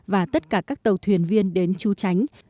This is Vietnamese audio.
và tất cả các tàu thuyền viên đến chú tránh